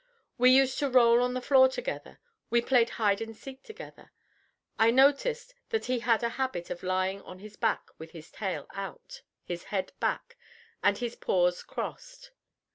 We used to roll on the floor together; we played hide and seek together. I noticed that he had a habit of lying on his back with his tail out, his head back, and his paws crossed.